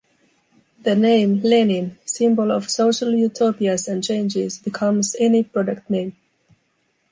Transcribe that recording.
The name "Lenin", symbol of social utopias and changes, becomes any product name.